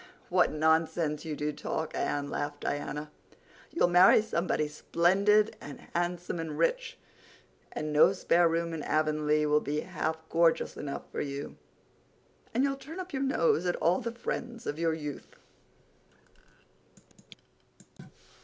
"What nonsense you do talk, Anne," laughed Diana. "You'll marry somebody splendid and handsome and rich—and no spare room in Avonlea will be half gorgeous enough for you—and you'll turn up your nose at all the friends of your youth."